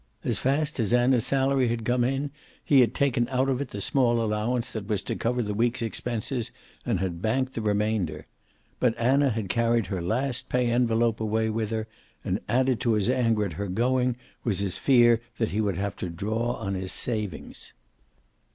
As fast as Anna's salary had come in, he had taken out of it the small allowance that was to cover the week's expenses, and had banked the remainder. But Anna had carried her last pay envelope away with her, and added to his anger at her going was his fear that he would have to draw on his savings.